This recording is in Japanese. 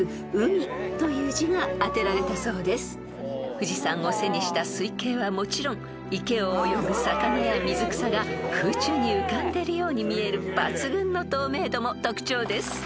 ［富士山を背にした水景はもちろん池を泳ぐ魚や水草が空中に浮かんでるように見える抜群の透明度も特徴です］